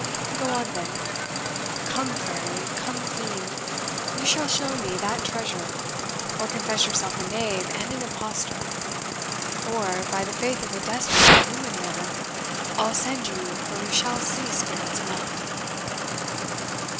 Go on, then come fairy, come fiend, you shall show me that treasure, or confess yourself a knave and an impostor, or, by the faith of a desperate and ruined man, I'll send you where you shall see spirits enough."